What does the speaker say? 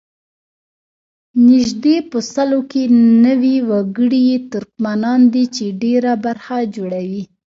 نږدې په سلو کې نوي وګړي یې ترکمنان دي چې ډېره برخه جوړوي.